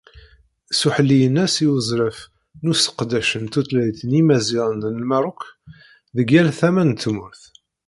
S uḥelli-ines i uzref n useqdec n tutlayt n Yimaziɣen n Lmerruk deg yal tama n tmurt.